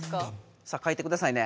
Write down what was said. さあ書いてくださいね